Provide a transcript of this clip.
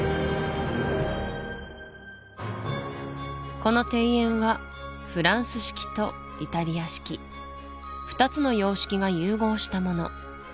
この庭園はフランス式とイタリア式２つの様式が融合したもの